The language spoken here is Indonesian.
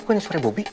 kok ada suara bobi